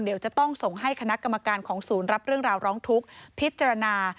เดี๋ยวจะต้องส่งให้คณะกรรมการของศูนย์รับเรื่องราวร้องทุกข์พิจารณา